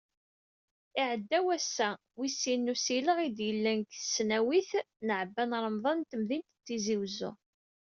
Iɛedda wass-a wis sin n usileɣ, i d-yellan deg tesnawit n Ɛebban Remḍan n temdint n Tizi Uzzu.